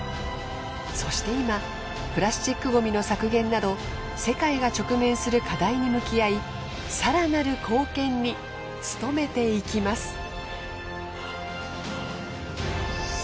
そして今プラスチックごみの削減など世界が直面する課題に向き合い更なる貢献に努めていきます。